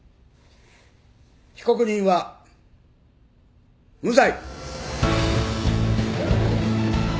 被告人は無罪。